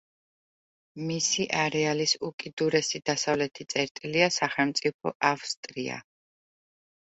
მისი არეალის უკიდურესი დასავლეთი წერტილია სახელმწიფო ავსტრია.